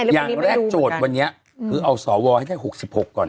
สิ่งแรกโจทย์วันนี้คือเอาสอวรให้๖๖ก่อน